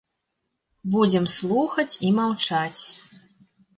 Будзем слухаць і маўчаць.